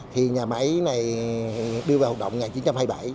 thì nhà máy này đưa vào hoạt động một nghìn chín trăm hai mươi bảy